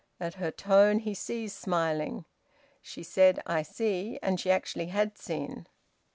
At her tone he ceased smiling. She said "I see," and she actually had seen.